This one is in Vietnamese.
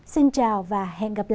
xin chào và hẹn gặp lại